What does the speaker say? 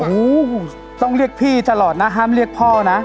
โอ้โหต้องเรียกพี่ตลอดนะห้ามเรียกพ่อนะ